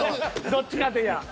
どっちかと言やあ。